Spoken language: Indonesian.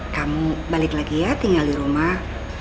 kamu balik lagi ya tinggal di rumah